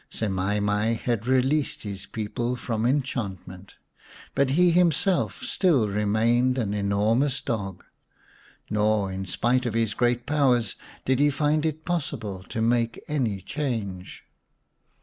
Semai mai had released his people from enchantment. But he himself still remained an enormous dog ; nor, in spite of his great powers, did he find it possible to make any change.